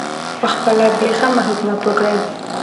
پخپله بې غمه حکومت وکړي